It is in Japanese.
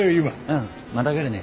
うんまた来るね。